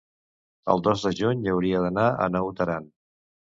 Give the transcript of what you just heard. el dos de juny hauria d'anar a Naut Aran.